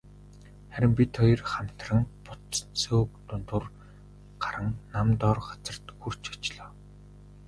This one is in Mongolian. Харин бид хоёр хамтран бут сөөг дундуур гаран нам доор газарт хүрч очлоо.